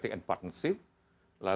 yang ketiga itu yang kita sebutkan